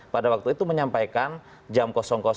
pada waktu itu menyampaikan jam